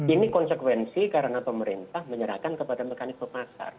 ini konsekuensi karena pemerintah menyerahkan kepada mekanik pemasar